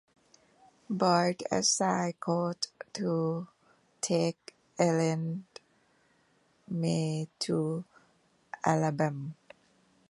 Boyd assigns Colt to take Ellen May to Alabam.